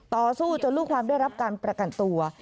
ต่อสู้จนลูกความได้รับการประกันตัว